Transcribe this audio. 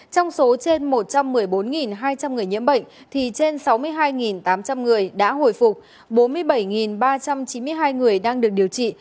trong số trên một trăm một mươi bốn hai trăm linh người nhiễm bệnh thì trên sáu mươi hai tám trăm linh người đã hồi phục bốn mươi bảy ba trăm chín mươi hai người đang được điều trị